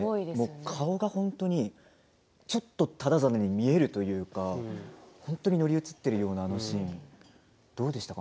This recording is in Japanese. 顔が本当にちょっと忠真に見えるというかのりうつってるようなあのシーンどうでしたか？